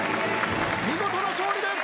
見事な勝利です！